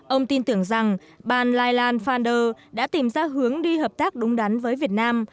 ông tin tưởng rằng bang lai lan phan đơ đã tìm ra hướng đi hợp tác đúng đắn với việt nam